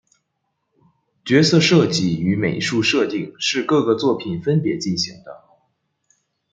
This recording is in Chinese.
角色设计与美术设定是各个作品分别进行的。